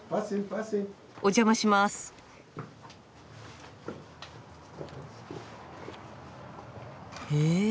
お邪魔します。え！？